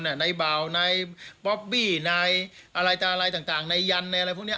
ไหนเบาไหนบอบบี้ไหนอะไรต่างไหนยันอะไรพวกนี้